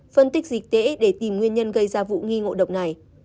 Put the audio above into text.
phân tích dịch tễ để tìm nguyên nhân gây ra vụ nghi ngộ độc này